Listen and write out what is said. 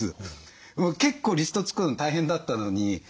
結構リスト作るの大変だったのに。